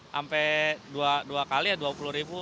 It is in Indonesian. sampai dua kali ya dua puluh ribu